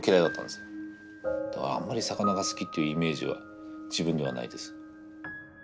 だからあんまり魚が好きっていうイメージは自分にはないです。